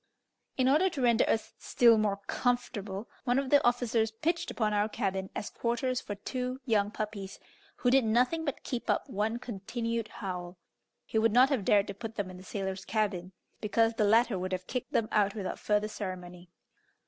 In order to render us still more comfortable, one of the officers pitched upon our cabin as quarters for two young puppies, who did nothing but keep up one continued howl; he would not have dared to put them in the sailors' cabin, because the latter would have kicked them out without farther ceremony.